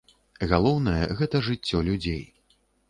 Галоўнае гэта жыццё людзей.